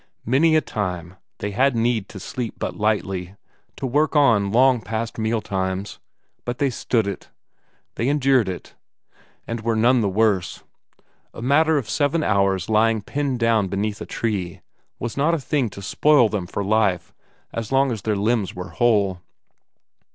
Many a time they had need to sleep but lightly, to work on long past meal times; but they stood it, they endured it and were none the worse; a matter of seven hours lying pinned down beneath a tree was not a thing to spoil them for life as long as their limbs were whole.